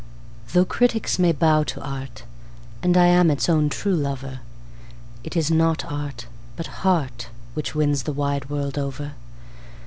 Though critics may bow to art, and I am its own true lover, It is not art, but heart, which wins the wide world over.